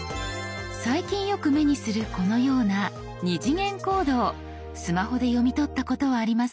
最近よく目にするこのような「２次元コード」をスマホで読み取ったことはありますか？